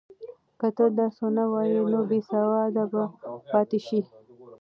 که ته درس ونه وایې نو بېسواده به پاتې شې.